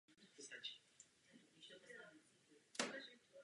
To se týká jak budoucí vlády, tak i opozice.